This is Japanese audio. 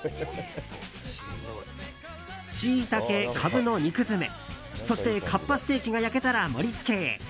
シイタケ、カブの肉詰めそしてかっぱステーキが焼けたら盛りつけへ。